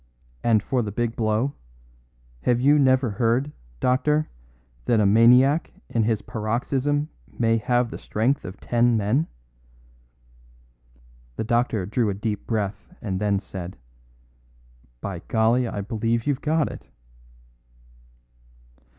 And for the big blow, have you never heard, doctor, that a maniac in his paroxysm may have the strength of ten men?" The doctor drew a deep breath and then said, "By golly, I believe you've got it."